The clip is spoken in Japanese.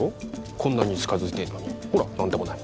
こんなに近づいてんのにほら何でもない